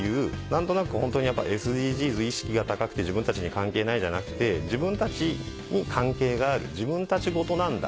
何となくホントにやっぱＳＤＧｓ意識が高くて自分たちに関係ないじゃなくて自分たちに関係がある自分たちごとなんだ